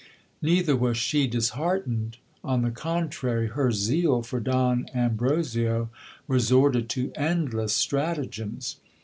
Neither was she disheartened : on the contrary, her zeal for Don Ambrosio resorted to endless stratagems.